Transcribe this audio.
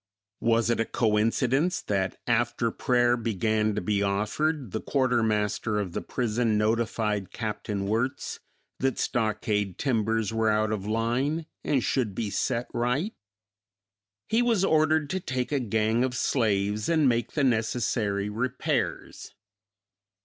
Was it a coincidence that after prayer began to be offered the quartermaster of the prison notified Capt. Wirtz that stockade timbers were out of line and should be set right? He was ordered to take a gang of slaves and make the necessary repairs.